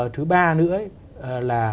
thứ ba nữa là